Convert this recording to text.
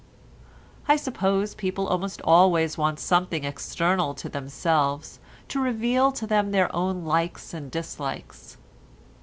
I suppose people almost always want something external to themselves, to reveal to them their own likes and dislikes.